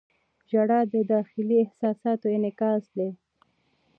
• ژړا د داخلي احساساتو انعکاس دی.